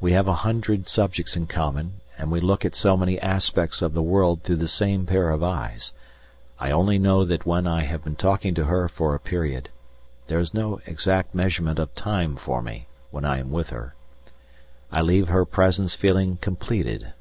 We have a hundred subjects in common, and we look at so many aspects of the world through the same pair of eyes; I only know that when I have been talking to her for a period there is no exact measurement of time for me when I am with her I leave her presence feeling "completed."